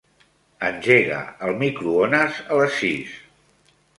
Engega el microones a les sis.